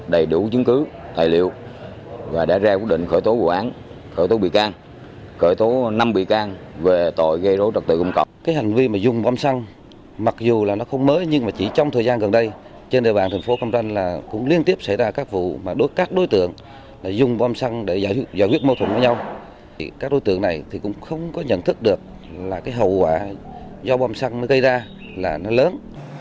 để giải quyết mâu thuẫn với nhau các đối tượng này cũng không có nhận thức được là cái hậu quả do bom xăng nó gây ra là nó lớn